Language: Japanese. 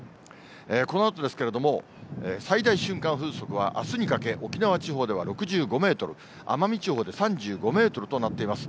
このあとですけれども、最大瞬間風速はあすにかけ、沖縄地方では６５メートル、奄美地方で３５メートルとなっています。